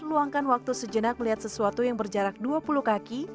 luangkan waktu sejenak melihat sesuatu yang berjarak dua puluh kaki